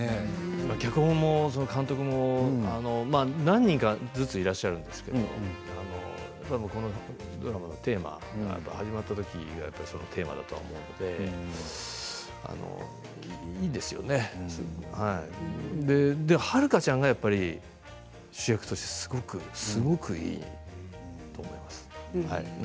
脚本も監督も何人かずついらっしゃるんですけれどこのドラマのテーマはやっぱりそのままだと思うんですけど遥ちゃんは、やっぱり主役として、すごくすごくいいと思います。